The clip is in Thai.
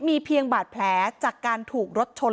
มีเพียงบาดแผลจากการถูกรถชน